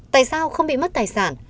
tại sao không bị mất tài sản